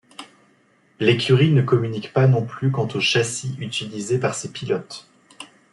L'écurie ne communique pas non plus quant aux châssis utilisés par ses pilotes.